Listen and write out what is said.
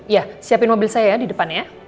ya siapin mobil saya ya di depannya